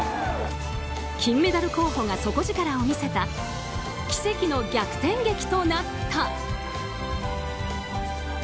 金メダル候補が底力を見せた奇跡の逆転劇となった。